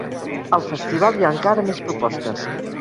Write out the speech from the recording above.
Al festival hi ha encara més propostes.